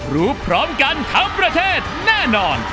พร้อมกันทั้งประเทศแน่นอน